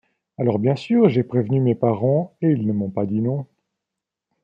Alors bien sûr, j’ai prévenu mes parents et ils ne m’ont pas dit non.